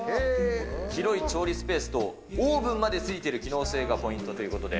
広い調理スペースとオーブンまで付いてる機能性がポイントということで。